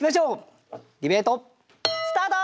ディベートスタート！